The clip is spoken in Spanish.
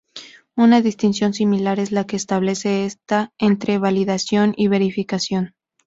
Una distinción similar es la que se establece entre validación y verificación.